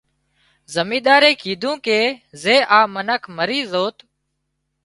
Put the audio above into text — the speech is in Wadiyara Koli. زمينۮارئي ڪيڌو ڪي زي آ منک مري زوت